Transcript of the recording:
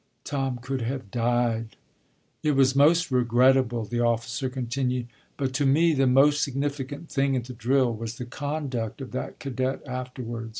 Tom could have died. "It was most regrettable," the officer continued, "but to me the most significant thing at the drill was the conduct of that cadet afterward.